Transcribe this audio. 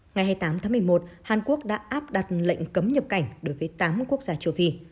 ngày hai mươi tám tháng một mươi một hàn quốc đã áp đặt lệnh cấm nhập cảnh đối với tám quốc gia châu phi